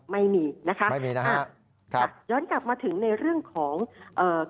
ไม่มีนะครับย้อนกลับมาถึงในเรื่องของเรื่องของ